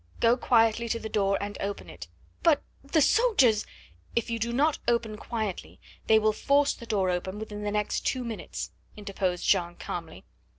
"Go quietly to the door and open it." "But the soldiers " "If you do not open quietly they will force the door open within the next two minutes," interposed Jeanne calmly.